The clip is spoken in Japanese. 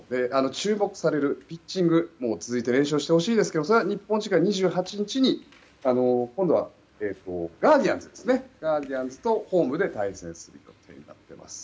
注目されるピッチング続いて連勝してほしいですけどただ日本時間２８日に今度はガーディアンズとホームで対戦することになっています。